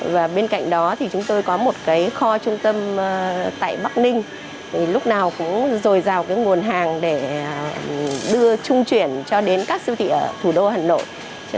và bên cạnh đó thì chúng tôi có một cái kho trung tâm tại bắc ninh lúc nào cũng dồi dào cái nguồn hàng để đưa trung chuyển cho đến các siêu thị ở thủ đô hà nội